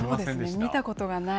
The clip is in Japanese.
見たことがない。